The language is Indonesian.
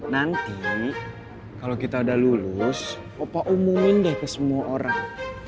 nanti kalau kita udah lulus opa umumin deh ke semua orang